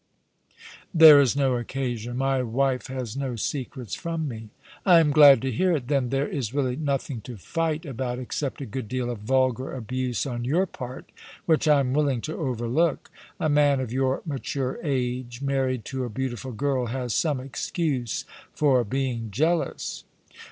'' There is no occasion. My wife has no secrets from me." " I am glad to hear it. Then there is really nothing to i8& All along the River, fight about except a good deal of vulgar abuse on your part, which I am willing to overlook. A man of your mature age, married to a beautiful girl, has some excuse for being jealous."